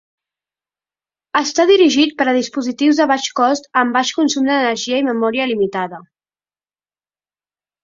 Està dirigit per a dispositius de baix cost amb baix consum d'energia i memòria limitada.